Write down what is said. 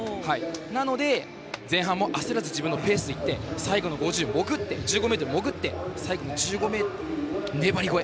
なので、前半も焦らず自分のペースで行って最後の５０は潜ってからの最後の１５ｍで粘り超え。